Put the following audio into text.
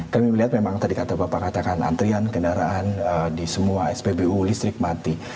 kami melihat memang tadi kata bapak katakan antrian kendaraan di semua spbu listrik mati